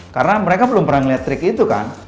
karena mereka belum pernah liat trik itu kan